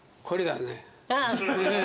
これだね。